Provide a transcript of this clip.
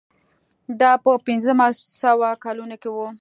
دا په پنځه سوه کلونو کې و.